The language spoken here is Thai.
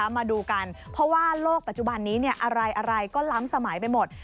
มาดูกันเพราะว่าโลกปัจจุบันนี้อะไรก็ล้ำสมัยไปหมด